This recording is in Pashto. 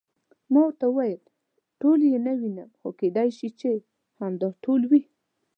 ما ورته وویل: ټول یې نه وینم، خو کېدای شي چې همدا ټول وي.